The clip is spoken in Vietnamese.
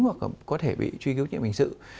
hoặc có thể bị truy cứu chuyện bình sự